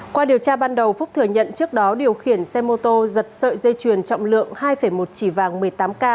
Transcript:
qua điều tra ban đầu phúc thừa nhận trước đó điều khiển xe mô tô giật sợi dây chuyền trọng lượng hai một chỉ vàng một mươi tám k